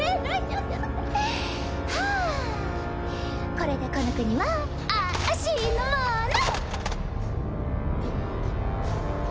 これでこの国はあーしのもの！